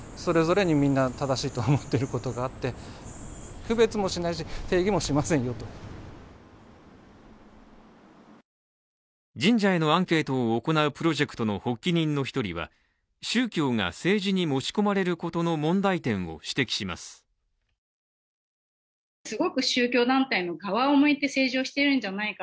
理由について聞くと神社へのアンケートを行うプロジェクトの発起人の１人は宗教が政治に持ち込まれることの問題点を指摘します。